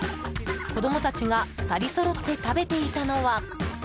子供たちが２人そろって食べていたのは。